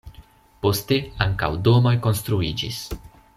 Poste ankaŭ domoj konstruiĝis.